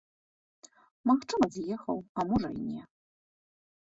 Магчыма, з'ехаў, а можа і не.